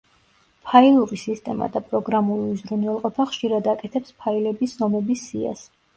ფაილური სისტემა და პროგრამული უზრუნველყოფა ხშირად აკეთებს ფაილების ზომების სიას.